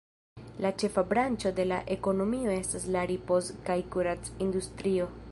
La ĉefa branĉo de la ekonomio estas la ripoz- kaj kurac-industrio.